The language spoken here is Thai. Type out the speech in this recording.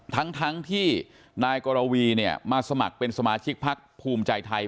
ทั้งที่นายกรวีเนี่ยมาสมัครเป็นสมาชิกพักภูมิใจไทย